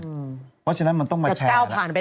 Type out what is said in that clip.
เพราะฉะนั้นมันต้องมาแชร์